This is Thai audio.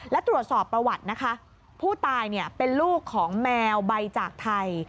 และตรวจสอบประวัตินะคะผู้ตายเป็นลูกของแมวใบจากไทย